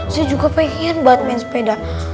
saya juga pengen buat main sepeda